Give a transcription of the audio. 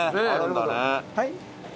はい。